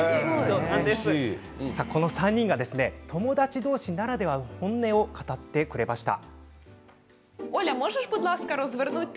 この３人が友達同士ならではの本音を語ってくれました。